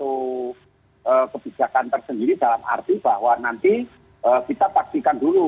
ya menurut saya ini perlu satu kebijakan tersendiri dalam arti bahwa nanti kita pastikan dulu